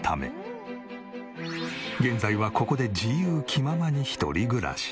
現在はここで自由気ままに一人暮らし。